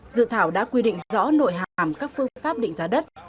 dự thảo đã quy định rõ nội hàm các phương pháp định giá đất